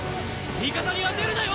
味方に当てるなよ！